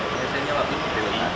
biasanya waktu itu diperlukan